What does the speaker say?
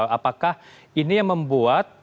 apakah ini yang membuat